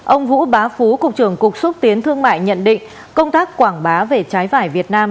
ông vũ bá phú cục trưởng cục xúc tiến thương mại nhận định công tác quảng bá về trái vải việt nam